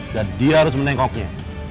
dan dia harus menengoknya